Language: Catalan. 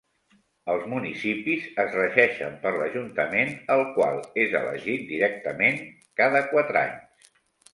Els municipis es regeixen per l'ajuntament, el qual és elegit directament cada quatre anys.